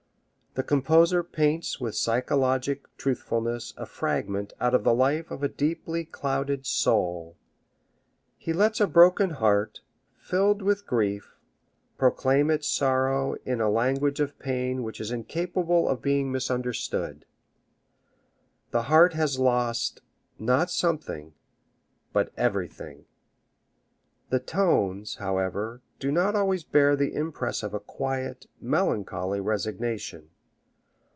The composer paints with psychologic truthfulness a fragment out of the life of a deeply clouded soul. He lets a broken heart, filled with grief, proclaim its sorrow in a language of pain which is incapable of being misunderstood. The heart has lost not something, but everything. The tones, however, do not always bear the impress of a quiet, melancholy resignation.